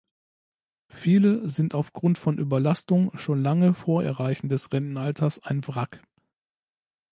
Viele sind aufgrund von Überlastung schon lange vor Erreichen des Rentenalters ein Wrack.